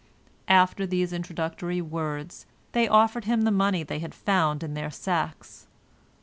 After these introductory words, they offered him the money they had found in their sacks.